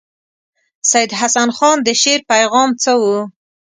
سید حسن خان د شعر پیغام څه وو.